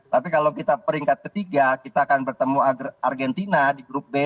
tapi kalau kita peringkat ketiga kita akan bertemu argentina di grup b